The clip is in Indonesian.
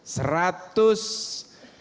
seratus pengusaha pengusaha berusaha